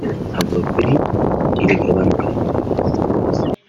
Avuga kuri iri gabanuka ry’abafatabuguzi